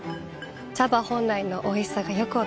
茶葉本来のおいしさがよく分かります。